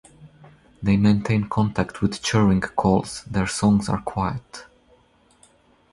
They maintain contact with "churring" calls; their songs are quiet.